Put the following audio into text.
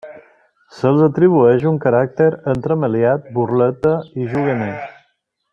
Se'ls atribueix un caràcter entremaliat, burleta i juganer.